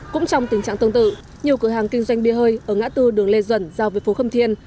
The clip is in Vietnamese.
cũng trong tình trạng tương tự nhiều cửa hàng kinh doanh bia hơi ở ngã tư đường lê duẩn giao với phố khâm thiên